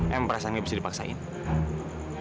saya tidak akan memperbaiki perasaan saya